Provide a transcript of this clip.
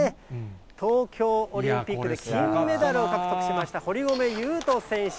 東京オリンピックで金メダルを獲得しました、堀米雄斗選手。